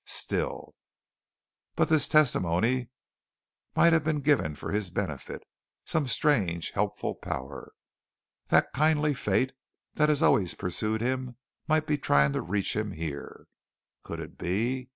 Still But this testimony might have been given for his benefit, some strange helpful power that kindly fate that had always pursued him might be trying to reach him here. Could it be?